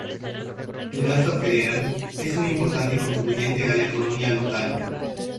El gasto federal es un importante contribuyente a la economía local.